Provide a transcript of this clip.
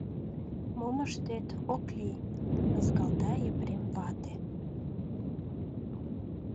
Мом ыштет, ок лий, — ызгалта Епрем вате.